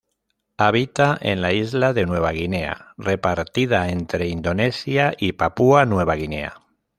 Habita en la isla de Nueva Guinea, repartida entre Indonesia y Papúa Nueva Guinea.